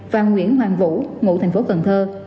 và nguyễn hoàng vũ ngụ thành phố cần thơ